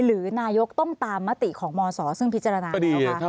หรือนายกต้มตามมติของมศซึ่งพิจารณาไหมครับ